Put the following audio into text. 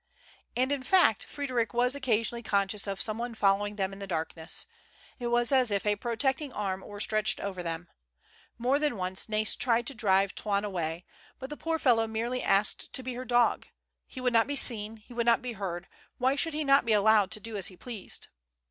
And in fact Frederic was occasionally conscious of some one following them in the darkness. It was as if a protecting arm were stretched over them. More than once Nais tried to drive Toine away; but the poor fel low merely asked to be her dog : he would not be seen, he would not be heard, why should he not be allowed to do as he pleased